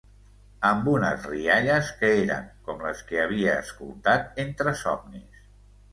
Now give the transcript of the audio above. Amb unes rialles que eren com les que havia escoltat entre somnis.